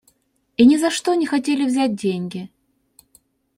И ни за что не хотели взять деньги.